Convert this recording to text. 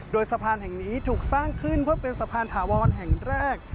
โดยสะพานแห่งนี้ถูกสร้างขึ้นเพื่อเป็นสะพานถาวรแห่งแรก